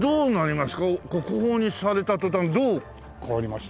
国宝にされた途端どう変わりました？